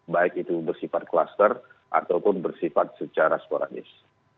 baik itu bersifat kluster ataupun bersifat secara sporadis